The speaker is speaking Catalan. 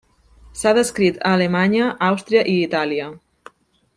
S’ha descrit a Alemanya, Àustria i Itàlia.